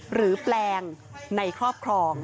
หรือแปลงในครอบครอง